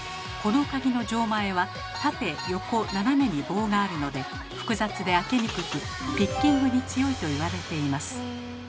この鍵の錠前は縦・横・斜めに棒があるので複雑で開けにくくピッキングに強いと言われています。